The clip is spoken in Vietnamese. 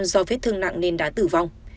do vết thương nặng nên đã tử vong